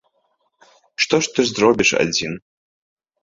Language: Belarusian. І што ж ты зробіш адзін?